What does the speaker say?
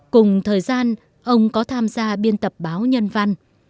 cùng thời gian ông có tham gia biên tập báo nhân văn